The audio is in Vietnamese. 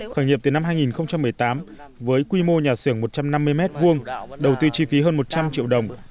khởi nghiệp từ năm hai nghìn một mươi tám với quy mô nhà xưởng một trăm năm mươi m hai đầu tư chi phí hơn một trăm linh triệu đồng